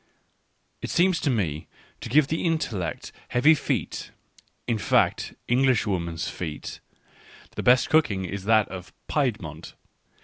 It seems to me to give the intellect heavy feet, in fact, Englishwomen's feet. ... The best cooking is that of Piedmont.